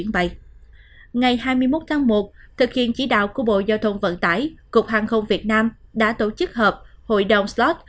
ngày hai mươi một tháng một thực hiện chỉ đạo của bộ giao thông vận tải cục hàng không việt nam đã tổ chức họp hội đồng slot